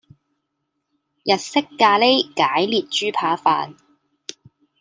日式咖喱解列豬扒飯